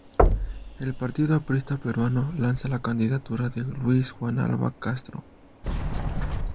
El Partido Aprista Peruano lanza la candidatura de Luis Juan Alva Castro.